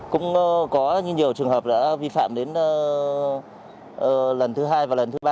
cũng có nhiều trường hợp đã vi phạm đến lần thứ hai và lần thứ ba